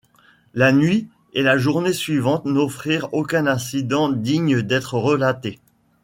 La nuit et la journée suivante n’offrirent aucun incident digne d’être relaté.